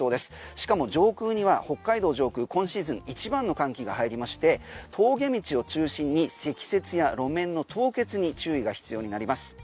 しかも上空には北海道上空今シーズン一番の寒気が入りまして峠道を中心に積雪や路面の凍結に注意が必要になります。